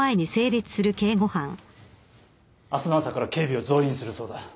明日の朝から警備を増員するそうだ。